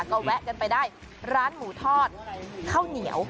ก็แวะกันไปได้ร้านหมูทอดข้าวเหนียว